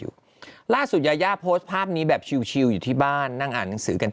อยู่ล่าสุดยายาโพสต์ภาพนี้แบบชิวอยู่ที่บ้านนั่งอ่านหนังสือกัน